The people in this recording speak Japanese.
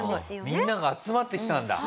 みんなが集まってきたんだ。